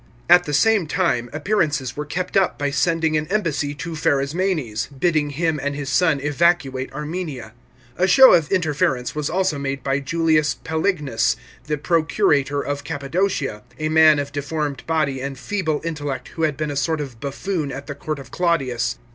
At the same time appearances were kept up by sending an embassy to Pharasmanes, bidding him and his son evacuate Armenia. A show of interference was also made by Julius Pselignus, the procurator of Cappadocia, a man of deformed body and feeble intellect, who had been a sort of buffoon at the court of Claudius.